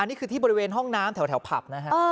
นี่คือที่บริเวณห้องน้ำแถวผับนะฮะ